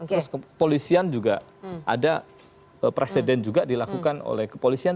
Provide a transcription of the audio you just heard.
terus kepolisian juga ada presiden juga dilakukan oleh kepolisian